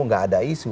nggak ada isu